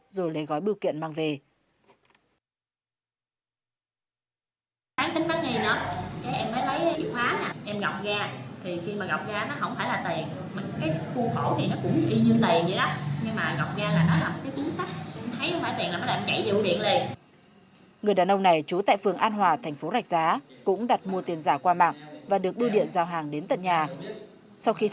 xin chào và hẹn gặp lại